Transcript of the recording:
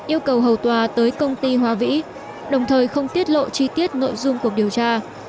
yêu cầu hầu tòa tới công ty hoa vĩ đồng thời không tiết lộ chi tiết nội dung cuộc điều tra